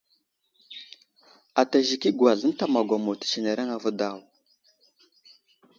Ata zik i agwazl ənta magwamo tətsenereŋ avo daw.